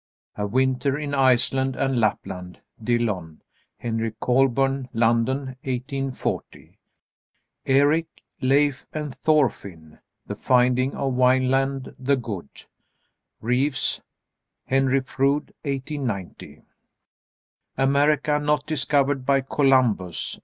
_ "A Winter in Iceland and Lapland," Dillon. Henry Colburn, London, 1840. ERIC, LEIF, AND THORFINN: "The Finding of Wineland the Good," Reeves. Henry Froude, 1890. "America Not Discovered by Columbus."